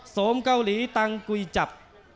มเกาหลีตังกุยจับ